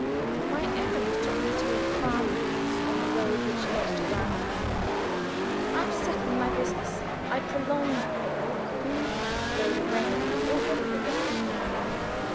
My errand took me to a farm house on the road which led to Brighton. After settling my business, I prolonged my walk, though the rain was already beginning to fall.